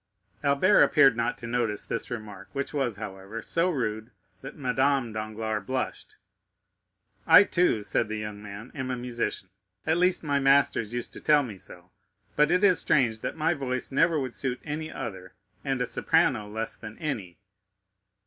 Albert appeared not to notice this remark, which was, however, so rude that Madame Danglars blushed. "I, too," said the young man, "am a musician—at least, my masters used to tell me so; but it is strange that my voice never would suit any other, and a soprano less than any."